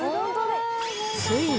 ついに